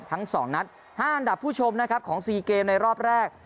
ทั้ง๒นัด๕อันดับผู้ชมนะครับของ๔เกมในรอบแรก